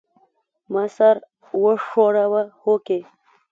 ما سر وښوراوه هوکې.